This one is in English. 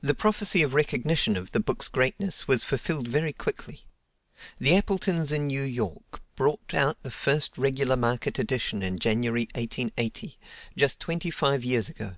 The prophecy of recognition of the book's greatness was fulfilled very quickly. The Appletons in New York brought out the first regular market edition in January, 1880, just twenty five years ago.